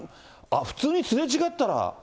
普通にすれ違ったら。